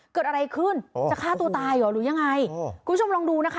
เกิดอะไรขึ้นจะฆ่าตัวตายเหรอหรือยังไงคุณผู้ชมลองดูนะคะ